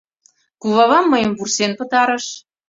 Кувавам мыйым вурсен пытарыш